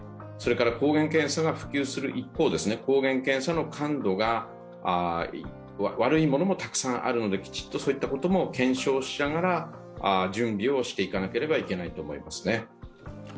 抗原検査が普及する一方、抗原検査の感度が悪いものもたくさんあるのできちっとそういったことも検証しながら準備をしていかなければいけないと思います。